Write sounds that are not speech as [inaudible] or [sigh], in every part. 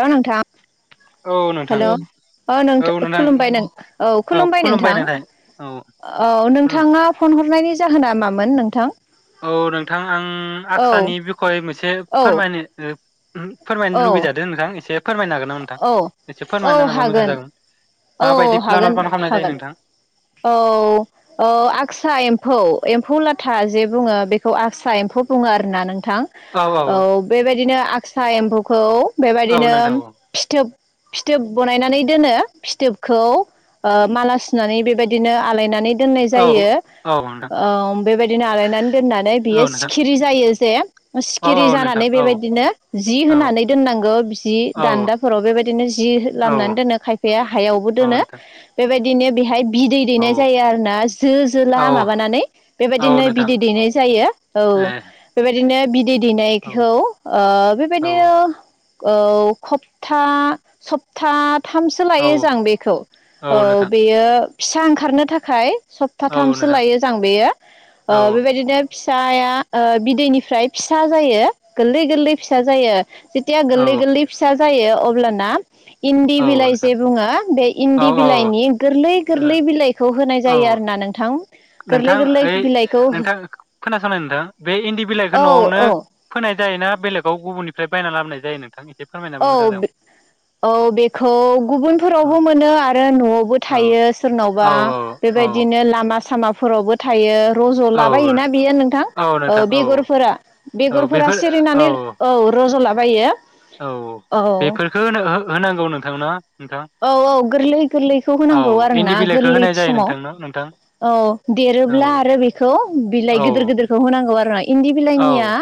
हेल नोंथां औ नोंथां हेल' औ नोंथ औ खुलुमबाय नोंथ खुलुमबाय नोंथां औ खुलुम नोंथाङा फन हरनायनि जाहोना मामोन नोंथां? औ नोंथां आं औ आक्सानि बिखय मोनसे औ फोरमायनो ओ ओ फोरमायनो औ लुगैजादो नोंथां एसे फोरमाय होनो हागोन नामा नोंथां औ एसे औ फोरमायना होबा मोजां हागोन जागोन । औ हागोन हागोन औ औ आक्साया एम्फौ एम्फौ लाथा जे बुङो बेखौ आकसा एम्फौ बुङो आरोना नों थां औ बेबायदिनो आक्सा एम्फौखौ औ बेबायदिनो नोंथां औ फिथोब फिथोब बनायनानै दोनो। फिथोबखौ मालासुनानै बेबायदिनो आलायनानै दोन्नाय जायो। औ नोंथां ओ बेबायदिनो आलायनानै दोन्नानै बेयो औ नोंथां सिखिरि जायो जे औ सिखिरि औ नोंथां जानानै औ बेबायदिनो जि औ होनानै दोन्नांगौ जि औ दान्दाफोराव बिबादिनो जि औ लामनानै दोनो खायफा हायावबो दोनो नोंथां बेबायदिनो बेहाय बिदै औ दैनाय जायो आरोना जो जोला औ माबानानै औ बेबायदिनो नोंथां बिदै दैनाय जायो ए औ बेबायदि बिदिनो बि दै औ दैनायखौ ओ औ बेबायदिनो औ हप्ता सप्था थाम सो औ लायो जां बेखौ औ बेयो फिसा ओंखारनो थाखाय औ सप्ताथामसो नोंथां लायो जां बेयो। ओ औ बेबायदिनो फिसाया ओ बिदैनिफ्राय फिसा जायो गोरलै गोरलै फिसा जायो जेथिया गोरलै औ गोरलै फिसा जायो अब्लाना इन्दि औ बिलाइ नोंथां जे बुङो बे औ इन्दि औ बिलाइनि गोरलै ओ गोरलै बिलाइखौ होनाय औ जायो आरोना नोंथां। नोंथां गोरलै गोरलै ओइ बिलाइखौ नोंथां खोना संनाय नोंथां। बे इन्दि बिलाइखौ औ न'आवनो औ फोनाय जायोना बेलेगाव गुबुननिफ्राय बायना लाबोनाय जायो नोंथांनि औ औ बेखौ गुबुनफोरावबो मोनो आरो न'आवबो औ थायो सोरनावबा औ औ बेबायदिनो लामा सामा फोरावबो थायो। औ रज'लाबायोना बियो नोंथां औ बेगरफोरा औ बेगरफोरा बेफोर सिरिनानै औ रज'लाबायो। [unintelligible] औ बेफोरफोरखौ होनां होनांगौ नोंथांना? औ औ गोरलै गोरलैखौ होनांगौ औ आरो इन्दि ना बिलाइखौ गोरलै होनाय जायो समाव नोंथांनो नोंथां औ औ देरोब्ला आरो बे [unintelligible] औ बिलाइ गिदिर गिदिरखौ होनांगौ आरोना इन्दि बिलाइनिया औ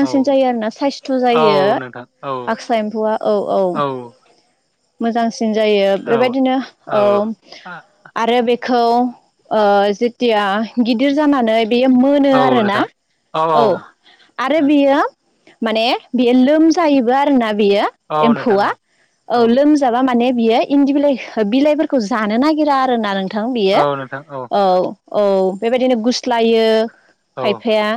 औ जायो आरोना। [unintelligible] [unintelligible] जायो औ नोंथां औ आखसा एम्फौआ। औ औ। मोजां सिन औ बेबायदिनो औ आरो बे खौ ओ जेथिया गिदिर जानानै बेयो मोनो आरो ना औ आरो उम बेयो माने बियो लोमजायोबो आरोना बेयो औ नोंथां एमफौआ, औ औ लोमजा माने बियो इन्दि बिलाइ बिलाइफोरखौ जानो नागिरा आरोना नोंथां बेयो औ नोंथां औ। औ बेबायदिनो गुस्लायो। औ खायफाया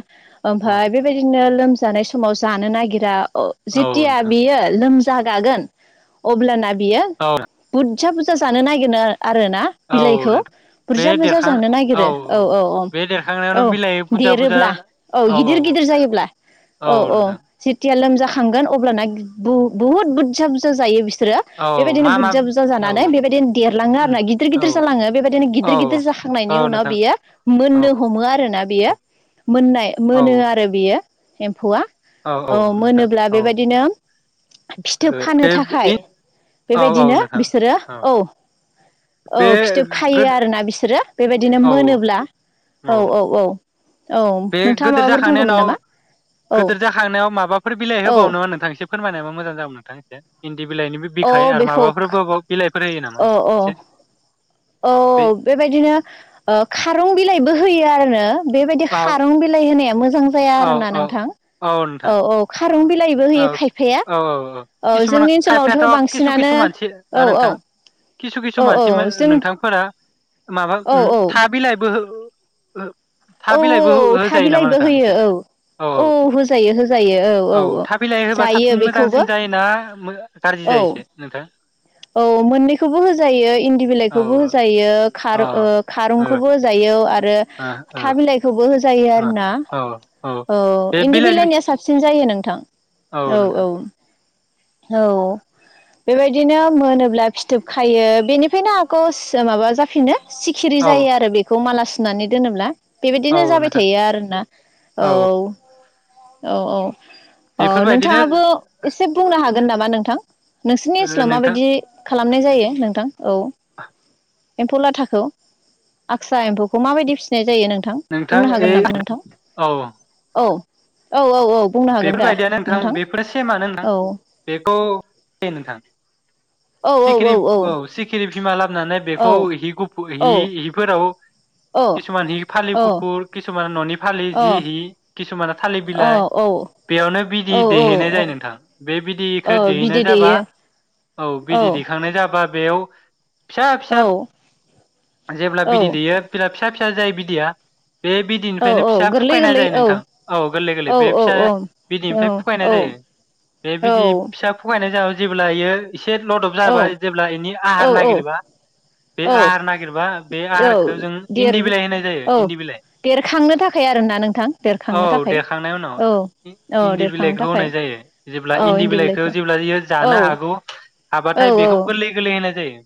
औ ओमफाय बेबायदिनो लोमजानाय समाव जानो नागिरा अ औ जिथिया नोंथां बियो लोम जा गागोन अब्ल ना बियो औ बुर जा बुरजा जानो नागिरो आरोना औ बिलाइखौ नोंथां बे बुरजा बुरजा देरखां जानो नागिरो। औ औ औ बे देरखांनायावनो औ बिलाइ बुरजा बुरजा देरोब्ला औ गिदिर गिदिर जायोब्ला औ औ जेथिया लोमजा खांगोन अब्लाना बुहुत बुरजा बुरजा जायो बि सोरो। औ बेबादिनो मा मा बुरजा बुरजा औ जानानै बेबायदिनो देरलाङो आरो उम ना, गिदिर औ गिदिर जालाङो बेबायदिनो औ गिदिर गिदिर जाखांनायनि औ उनाव नोंथां बियो मोननो हमो आरोना बियो मोननाय, औ मोनो आरो बियो एम्फौआ। औ मोनोब्ला बेबायदिनो फिथोब फानो बे थाखाय औ औ बेबायदिनो नोंथां बिसोरो औ औ बे फिथोब खायो गोद आरोना बिसोरो बेबायदिनो औ मोनोब्ला औ औ औ। औ बे नोंथाङा गोदोर माबाफोर जाखांनायनि बुंगौमोन उनाव नामा औ गोदोर जाखांनायाव माबाफोर बिलाइ औ होबावो नामा नोंथां एसे फोरमायनायबा मोजां जागोन नोंथां एसे बे बिलाइनिबो बिखायै औ आरो बेखौ माबाफोरबो बिलाइफोर होयो नामा? औ [unintelligible] औ औ बे बेबायदिनो ओ खारं बिलाइबो होयो आरोनो बेबायदि औ खारं बिलाइ होनाया मोजां जाया औ आरो ना औ नोंथां औ औ खा औ औ औ औ खिसुमान जोंनि ओनसोलावथ' खायफायाथ' खिसु बांसिनानो खिसु मानसि औ आ औ नोंथा। खिसु खिसु औ मानसि औ जों नोंथांफोरा माबा औ उम औ था बिलाइबो हो [unintelligible] औ औ बिलाइबो होजायो नामा थाबिलाइबो नोंथां एसे होयो औ औ होजायो होजायो औ औ औ था बिलाइ होबा जायो साबसिन बेखौबो मोजांसिन जायो ना? गाज्रि औ जायो एसे नोंथां। औ मोननैखौबो होजायो इन्दि औ बिलाइखौबो होजायो खार ओ औ खा रं ओ खौबो होजायो। खौ आद रो ओ ओ था बिलाइखौबो होज जायो ओ आरो ना औ औ बे इन्दि बिलाइनि बिलाइनिया साबसिन जायो नों थां औ औ औ बेबायदिनो मोनोब्ला फिथोब खायो बेनिफ्रायनो आगषट माबा जाफिनो। सिखिरि औ जायो आरो बेखौ माला सुनानै दोनोब्ला औ बेबायदिनो जाबाय नोंथां थायो आरोना औ औऔ अ बेफोरबायदिनो नोंथांङाबो एसे बुंनो हाग गोन नामा नोंथां? नोंसोनिइस्लाव ओ नोंथां माबायद खालामनाय जायो नोंथां औ [inaudible] एम्फौ लाथाखौ आक्सा एम्फौखौ माबायदि फिसिनाय जायो नोंथां बुंनो हागोन नामा नोंथां औ औ औ औ औ बुंनो हागोन दा बेफोरबायदियानो नोंथां बेफोरो सेमानो नोंथां औ बेखौ इ नोथां। औ औ सिखिरि औ सिखिरि बिमा लाब खालामाबनानै औ बेखौ हि गुफुर औ हि-हिफोराव औ किसुमान हि फालि औ गुफुर किसुमाना ननि फालि जि हि किसुमाना थालिर बिलाइ बेयावनो बिदि औ औ दैहैनाय जायो नोंथां बे बिदिखौ औ दैहैनाय बिदै जाबा दैयो औ बिदि दैखांनाय जाबा बेयाव फिसा-फिसा औ जेब्ला औ बिदै दैयो बिला फिसा फिसा जायो बिदैया बे औ बिदैनिफ्रायनो औ फिसा गोरलै फुखायना गोरलै जायो नोंथां औ गोरलै- गोरलै औ बे औ फिसा औ बिदैनिफ्राय फुखायनाय औ जायो बे बिदै औ फिसा फुखायनाय जा जेब्ला इयो एसे लदब जाबाय जेब्ला एनि आहार औ नागिरबा बे औ आहार नागिरबा बे औ आहारखौ जों देर इन्दि बिलाइ होनाय जायो औ इन्दि बिलाइ देरखांनो थाखाय आरोना नोंथां औ देरखांनो थाखाय देखांनायनि उनाव औ औ इन्दि देरखांनो बिलाइखौ थाखाय होनाय जायो जेब्ला इन्दि बिलाइखौ जेब्लायो औ जानो हागौ औ हाबाथाय औ बेखौ गोरलै-गोरलै होनाय जायो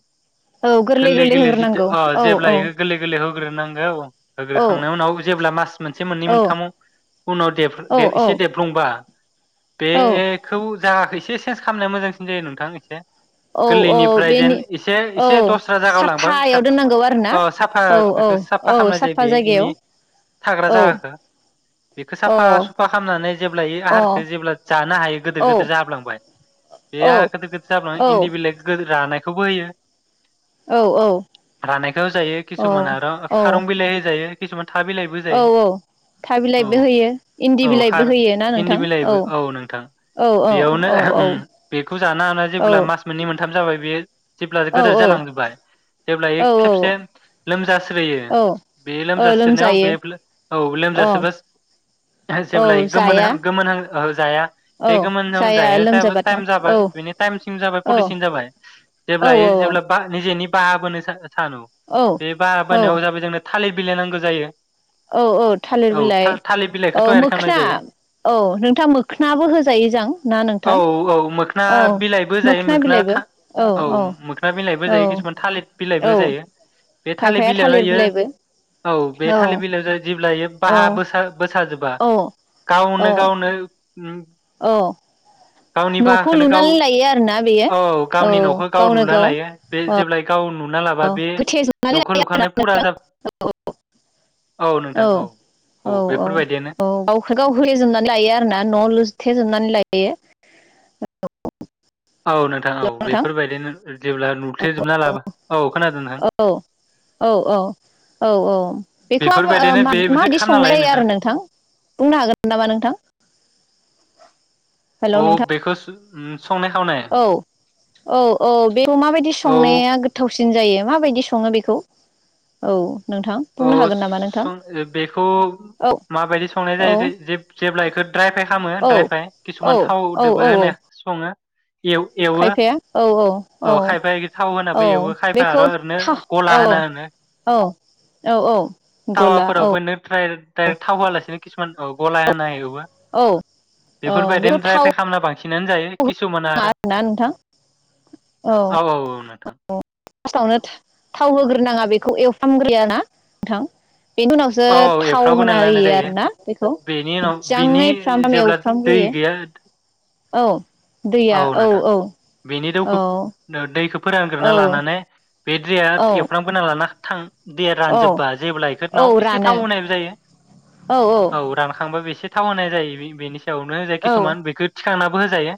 औ गोरलै गोरलै-गोरलै गोरलै जिथु होग्रोनांगौ अ जेब्ला औ-औ बेखौ गोरलै गोरलै होग्रोनांगौ होग्रोखांनायनि उनाव जेब्ला मास मोनसे मोननै औ मोनथामाव उनाव देफोर एसे औ देफ्लंबा आ बे औ खौ जायाखै एसे चेन्ज खालामनाया मोजांसिन जायो नोंथां एसे। औ औ गोरलैनिफ्राय जेन बेनि औ एसे-एसे दस्रा जायागायाव लांबा साफायाव दोननांगौ आरो ना साफ-साफा औ औ बेखौ साफा औ खालामनाय जायो साफा बे इनि जायगायाव थाग्रा औ जायगाखौ बेखौ अ साफा साफा खालामनानै जेब्ला इयो अ आहारखौ जेब्ला जानो हायो औ गोदोर-गोदोर जाब्लांबाय औ बेहा गोदो-गोदो जाबब्लानो इन्दि बिलाय [unintelligible] रानाय खौबोयो औ रानायखौ जायो औ किसुमाना आरो खारं बिलाइ हो जायो। किसुमान था बिलाइबो होजायो औ-औ था बिलाइबो औ होयो । औ खार इन्दि बिलाइबो औ नोंथां औ औ बेयावनो औ औ ओम बेखौ जानो हा औ जेब्ला मास मोननै मोन थाम जाबाय बेयो । जेब्ला औ गोदोर जालांजोबबाय जेब्ला औ एयो खेबसे लोमजा स्रोयो औ बे औ लोमजास्रोनायाव लोमजायो बे औ अ लोमजासोबा जेब्ला औ इयो गोमोन जाया हां गोमोन हां ओ जाया औ बे गोमोन जाया होनजायो ज लोमजाबाथ' औ टाइम जाबाय औ बेनि टाइमसिम जाबाय औ प्रटिसिन जाबाय औ जेब्लाय जेब्ला निजेनि बाहाबोन [unintelligible] सानु औ बे बाहाबोनायाव जाबाय जोंनो थालिर बिलाइ नांगौ जायो औ औ थालिर औ बिलाइ थालिर औ बिलाइखौ थयार खालामनाय मोखोना जायो औ नोंथां मोखोनाबो होजायो जां ना औ नोंथां औ मोखोना औ बिलाइबो जायो मोखोना बिलाइबो था औ औ मोखोना बिलाइबो औ जायो किसुमान थालिर औ बिलाइबो जायो बे खायफाया बिलाइयावनो थालिर इयो बिलाइबो औ बे थालिर बिलाइयाव जाय जेब्ला बेयो औ बाहा बोस जेबा औ गाव नो औ गावनो ओम औ गावनि न'खौ बाहाखौनो गाव लुनानै लायो आरोना बेयो औ गावनि न'खौ गाव लुना लायो बे जेब्लाय गाव नु औ गोथे जोबनानै आ फुरा जा नोंथां औ औ औ औ औ औ गावखौ गाव होेजोबनानै लायो आरोना न'आव लुथेजोबनानै लायो बेयो [unintelligible] औ औ हेल' नोंथां बेफोरबायदिनो जेब्ला औ नुथेजोबना लाबा औ खोनादों नोंथां औ औ औ औ औ औ बेखौ बेफोरबायदिनो बेसो माबायदि खामना संनाय लायो जायो आरो नोंथां बुंनो हागोन नामा नोंथां हेल' अ नोंथां बेखौसो उम औ औ औ बेखौ माबायदि औ संनाया गोथाव सिन जायो माबायदि सङो बेखौ औ नोंथां बुंनो औ हागोन नामा नोंथां सं बेखौ औ माबायदि संनाय औ जायो जेब्ला बेखौ द्राय फाइ खालामो औ द्राय फ्राय औ किसुमान औ औ थावदोबो होननाय सङो एव -एवो खायफाया औ औ औ खायफाया थाव औ होनाबो एवो खायफाया बेखौ आरो ओरैनो था गला औ होना होनो औ औ औ गला औ थावाफोरावबोनो [unintelligible] थाव होआलासिनो किसुमान औ गला होनाय एवो औ औ बेखौ बेफोरबायदिनो द्राय थाव फ्राय खालामना बांसिन थिनानै जायो [unintelligible] किसुमाना आरो औ औ औ नोंथां थाव होग्रोनाङा बेखौ एव फ्रामग्रोयो आरोना नोंथां बेनि उनावसो औ औ थाव एफ्राव होना गनायना लानाय होयो जायो आरोना बेखौ बेनि उनाव बिनि मोजाङै फ्रामै जेब्ला एवफ्राम दै ग्रोयो गैया औ। औ नोंथां बेनि औ दौखौ दैखौ फोरानग्रोना औ लानानै बे दैया औ एवफ्रामग्रोना लाना थां देर औ रानजोब्बा जेब्ला औ बेफोरनाव एसे रानो थाव होनायबो जायो औ रानखांबा बे एसे थाव होनाय जायो बेनि जाय औ किसुमान बेखौ खांनाबो होजायो।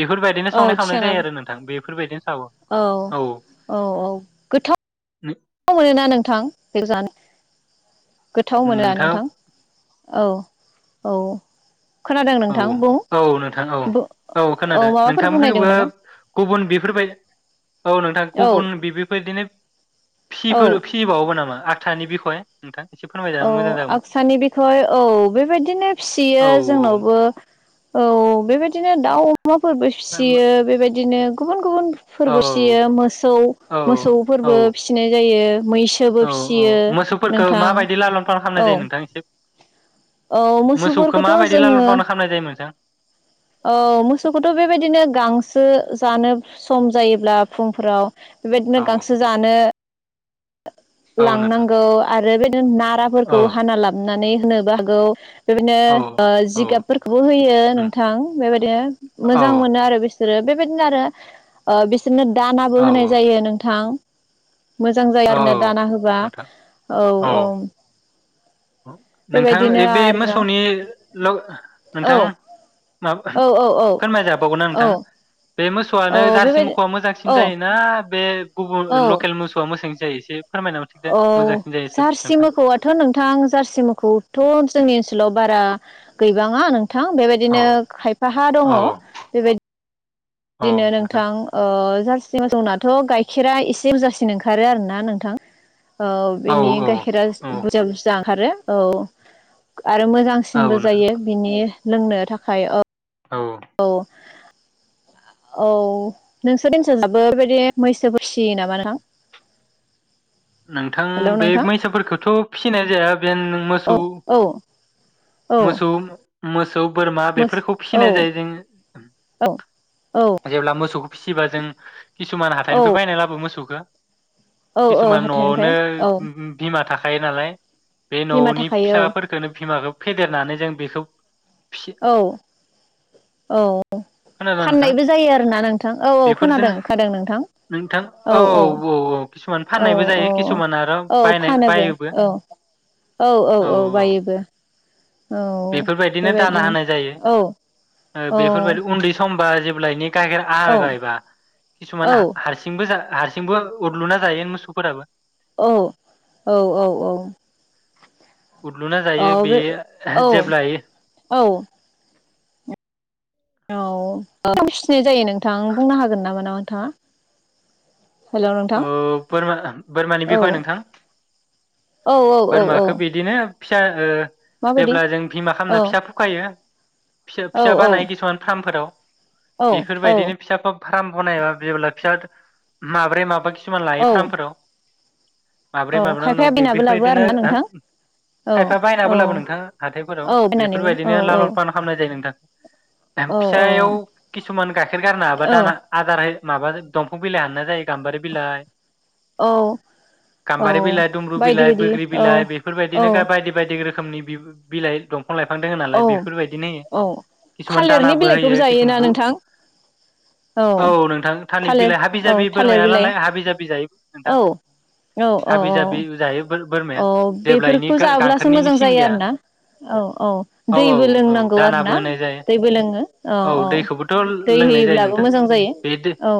बेफोरबायदिनो औ संनाय खावनाय थिखांना जायो आरो नोंथां बे फोरबायदिनो औ औ औ गोथाव मोनोना नोंथां बेखौ जानो गोथाव मोनोना नोंथां औ औ। खोनादों औ नोंथां बुं औ नोंथां औ औ खोनादों माबाफोर बुंनायदों नोंथांफोरखौबो नामा गुबुन बिफोरबाय औ नोंथां औ गुबुन बिफोर बिदिनो औ फिफोर फिबावो नामा? आथानि बिखय नोंथां एसे औ फोरमायजानो मोजां जागौमोन आक्सानि बिखय औ बेबायदिनो फियो औ जोंनावबो औ बेबायदिनो दाउ अमाफोरबो औ फिसियो बेबायदि बिदिनो गुबुन गुबुन औ फोरबो फिसियो मोसौ औ औ मोसौफोरबो फिसिनाय जायो। मैसोबो औ औ फियो मोसौफोरखौ नोंथां माबायदि लालन फालन खालामनाय औ जायो नोंथां एसे औ मोसौखौ मोसौफोरखौथ' माबायदि लालन जोङो फालन खालामनाय जायो नोंथां? औ मोसौखौथ बेबायदिनो गांसो जानो सम जायोब्ला फुंफोराव बेबायदिनो औ गांसो जानो औ नोंथां लांनांगौ आरो बेदिनो औ नाराफोरखौ हाना लाबनानै होननोबो हागौ औ बेबायदिनो औ जिगाबफोरखौबो होयो उम नोंथां बेबायदिनो औ मोजां मोनो आरो बेसो बिसोरो बेबायदिनो आरो ओ बिस बिदिनो दानाबो औ होनाय जायो नोंथां। मोसौ मोजां जायो औ आरोना दाना होबा नोंथां औ औ नोंथां बेबायदिनो बे आरोना मोसौनि औ नोंथां माबा औ औ औ फोरमायजाबावगौनाा औ नोंथां बे औ मोसौआनो जारसि बेबायदि मोसौआ मोजांसिन औ जायोना बे गुबुन औ लकेल मोसौआ मोजांसिन जायो । औ जारसि नोंथां मोखौआथ नोंथां जार सि मोसौखौथ जोंनि ओनसोलाव बारा गैबांङा नों थां औ बेबायदिनो खायफाहा दङ औ बेबायद बिदिनो नोंथां ओ जारसि मोसौनाथ गाइखेरा एसे बुरजासिन ओंखारो आरो ना नोंथां। औ औ बिनि औ गाइखेरा औ बुरजा बुरजा ओंखारो। औ आरो औ मोजांसिनबो नोंथां जायो बिनि लोंनो थाखाय ओ औ औ नोंसोर ओन्सोल आवबो बेबायदि मैसो फिसियो नामा नोंथां? नोंथां हेल' बे नोंथां मैसोफोरखौथ फिसिनाय जाया जेन औ मोसौ औ औ मोसौ मो मोसौ बोरमा बेफोरखौ फिसिनाय जायो जोंनि औ औ मोसौखौ फिसिबा जों किसुमान हाथाइनिफ्राय औ बायनाय लाबो मोसौखौ। औ औ किसुमान हाथाइनिफ्राय नआवनो औ बिमा थाखा थायो नालाय। बे न बिमा आवनि थाखायो फिसाफोरखौनो बिमाखौ फेदेरनानै जों बेखौ फि औ औ खोनादों नोंथां फाननायबो जायो आरोना नोंथां औ औ खोनादों बेफोरजोंनो खोनादों नोंथां नोंथां औ औ औ किसुमान औ फाननायबो औ जायो किसुमान आरो औ बायनाय फानोबो बायोबो औ औ औ औ बायोबो औ बेफोरबायदिनो दाना बेबायदिनो होनाय जायो औ ओ औ बेफोरबायदि उन्दै सम बा जेब्लायनि औ गायखेर [unintelligible] औ किसुमान हारसिंबो जा हारसिंबो उरलुना जायो मोसौफोराबो औ औ औ औ उदलुना जायो बे औ जेब्लाय औ औ [unintelligible] जायो नों नोंथां बुंनो हागोन नामा नों थाङा बोरमा बोरमानि औ बिखय नोंथां औ औ औ औ बोरमखौ बिदिनो फिसा ओ माबायदि जेब्ला जों बिमा औ खालामना फिसा फुखायो फिसा औ फिसा औ बानाय किसुमान फार्मफोराव औ औ बेफोरबायदिनो फिसा फ फार्म बनायबा जेब्ला फिसा माब्रै माबा खिसुमान लायो औ फार्मफोराव माब्रै औ माबा उनाव खायफाया बे बायनाबो लाबो बेफोरबायदिनो आरोना नोंथां औ खायफा बायनाबो लाबो औ नोंथाङा हाथायफोराव औ बायनानैबो औ बेफोरबायदिनो औ ललन फालन खालामनाय जायो नोंथां औ फिसायाव किसुमान गाइखेर गारना हाबा औ दाना औ आदारहै माबा दंफां बिलाइ हाननाय जायो गाम्बारि बिलाइ औ गाम्बारि औ बिलाइ दुमब्रु बायदि बिलाइ बायदि बोग्रि बिलाइ औ बेफोरबायदिनो गा औ बायदि बायदि रोखोम रोखोमनि बिलाइ दं दफां लाइफां दङ नालाय औ बेफोरबायदिनो होयो औ किसुमान थालिरनि दानाबो बिलाइखौबो होयो जायोना किसुमान नोंथां औ नोंथां थाललि थालिर बिलाइ हाबि औ जाबि थालिर बोरमाया बिलाइ नालाय हाबि जाबि जायो नोंथां औ औ औ हाबि औ जाबि जायो औ बोरमाया जेब्ला इनि बेफोरखौ जाब्लासो गांखोरनिनि मोजां सिन जायो गैया आरोना औ औ औ औ दैबो औ लोंनांगौ आरो दानाबो ना होनाय जायो दैबो लोङो औ औ दैखौबोथ' दै लोंनाय जायो होयोब्लाबो नोंथां मोजां जायो बे दै औ